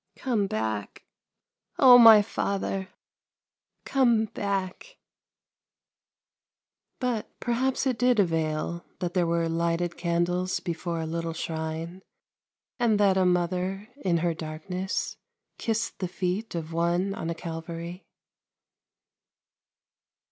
"" Come back, oh, my father, come back !" But perhaps it did avail that there were lighted candles before a little shrine, and that a mother, in her darkness, kissed the feet of One on a Calvary.